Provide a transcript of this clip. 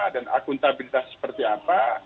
dan akuntabilitas seperti apa